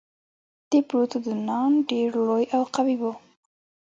ديپروتودونان ډېر لوی او قوي وو.